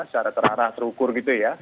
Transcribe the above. secara terarah terukur gitu ya